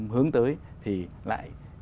hướng tới thì lại